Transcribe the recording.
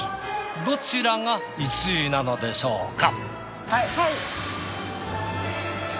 どちらが１位なのでしょうか。